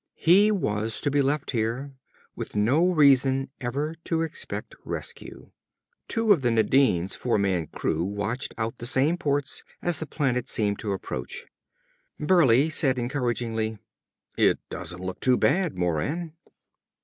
He was to be left here, with no reason ever to expect rescue. Two of the Nadine's four man crew watched out the same ports as the planet seemed to approach. Burleigh said encouragingly; "It doesn't look too bad, Moran!"